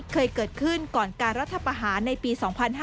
เคยเกิดขึ้นก่อนการรัฐประหารในปี๒๕๕๙